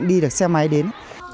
đi được xe máy đến